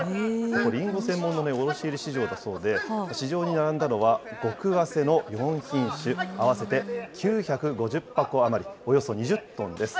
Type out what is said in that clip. りんご専門の卸売市場だそうで、市場に並んだのは、極わせの４品種、合わせて９５０箱余り、およそ２０トンです。